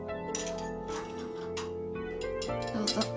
どうぞ。